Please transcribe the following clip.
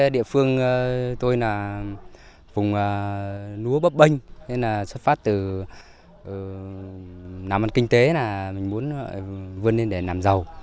địa phương tôi là vùng lúa bấp bênh nên là xuất phát từ làm ăn kinh tế là mình muốn vươn lên để làm giàu